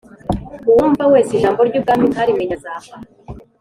Uwumva wese ijambo ry ubwami ntarimenye azapfa